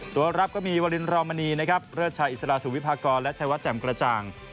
ตัวรับก็มีวาลินรอมณีนะครับเลิศชายอิสระสุวิพากรและชายวัดแจ่มกระจ่าง